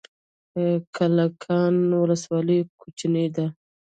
کلکان ولسوالۍ کوچنۍ ده؟